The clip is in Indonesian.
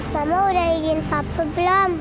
mama udah izin papa belum